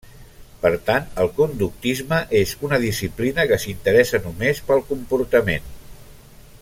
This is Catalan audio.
Per tant el conductisme és una disciplina que s'interessa només pel comportament.